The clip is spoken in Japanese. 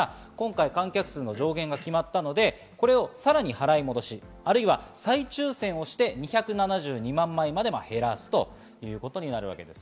観客数の上限が決まったので、これをさらに払い戻しあるいは再抽選をして２７２万枚まで減らすということです。